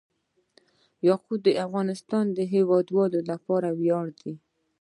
یاقوت د افغانستان د هیوادوالو لپاره ویاړ دی.